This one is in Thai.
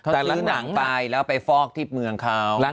เค้าซื้อน้ำไปแล้วไปฟอกที่เมืองเค้า